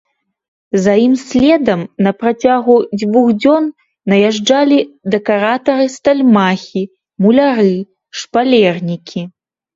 За ім следам на працягу двух дзён наязджалі дэкаратары стальмахі, муляры, шпалернікі.